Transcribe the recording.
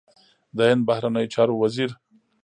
د هند بهرنیو چارو وزیر